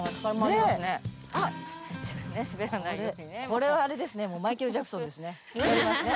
これはあれですね。